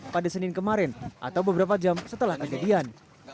pada senin kemarin atau beberapa jam setelah kejadian